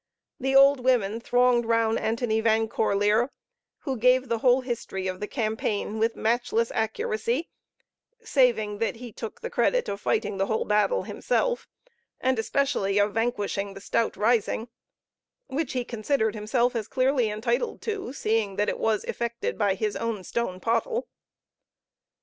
The old women thronged round Antony Van Corlear, who gave the whole history of the campaign with matchless accuracy, saving that he took the credit of fighting the whole battle himself, and especially of vanquishing the stout Risingh, which he considered himself as clearly entitled to, seeing that it was effected by his own stone pottle.